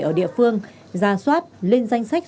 ở địa phương ra soát lên danh sách